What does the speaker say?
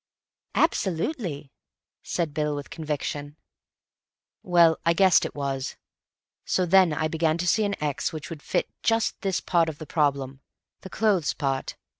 "Absolutely," said Bill with conviction. "Well, I guessed it was. So then I began to see an x which would fit just this part of the problem—the clothes part.